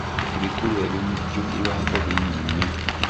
Ebikulu ebimujjukirwako bingi nnyo.